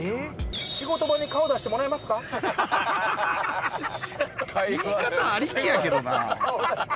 仕事場に、言い方ありきやけどな。